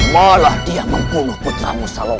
malah dia membunuh putra musa lokal